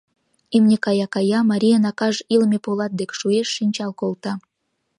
Имне кая-кая — марийын акаж илыме полат дек шуэш, шинчал колта.